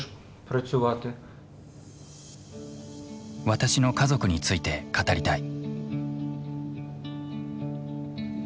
私の家族について語りたい。